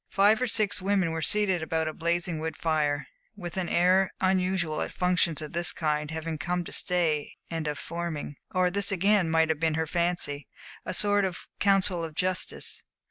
Five or six women were seated about a blazing wood fire, with an air unusual at functions of this kind of having come to stay and of forming or this again might have been her fancy a sort of council of justice.